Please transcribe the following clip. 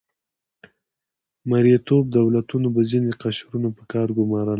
مرئیتوب دولتونو به ځینې قشرونه په کار ګمارل.